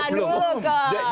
bersa dulu kok